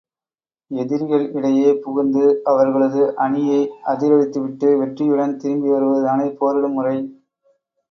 எதிரிகள் இடையே புகுந்து, அவர்களது அணியை அதிரடித்துவிட்டு வெற்றியுடன் திரும்பி வருவதுதானே போரிடும் முறை.